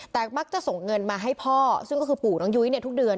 แต่มักจะส่งเงินมาให้พ่อซึ่งก็คือปู่น้องยุ้ยเนี่ยทุกเดือน